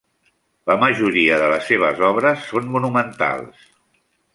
La majoria de les seves obres són monumentals.